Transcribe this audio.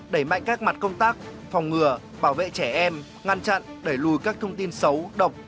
đẩy mạnh các mặt công tác phòng ngừa bảo vệ trẻ em ngăn chặn đẩy lùi các thông tin xấu độc